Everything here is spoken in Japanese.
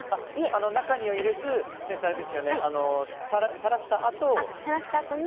中に入れず、垂らしたあとに。